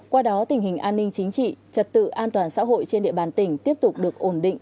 qua đó tình hình an ninh chính trị trật tự an toàn xã hội trên địa bàn tỉnh tiếp tục được ổn định